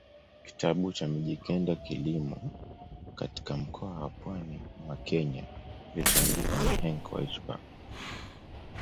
kitabu cha Mijikenda kilimo katika mkoa wa pwani mwa Kenya kilichoandikwa na Henk Waaijenberg